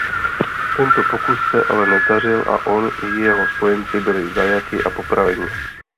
Tento pokus se ale nezdařil a on i jeho spojenci byli zajati a popraveni.